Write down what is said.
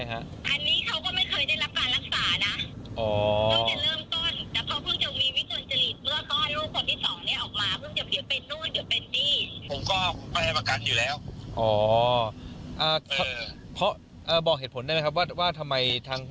อยู่แล้วอ๋ออ่าเพราะอ่าบอกเหตุผลได้ไหมครับว่าว่าทำไมทาง